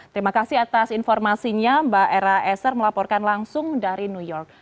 terima kasih atas informasinya mbak era eser melaporkan langsung dari new york